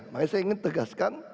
makanya saya ingin tegaskan